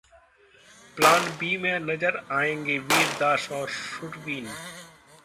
'plan B' में नजर आएंगे वीर दास और सुरवीन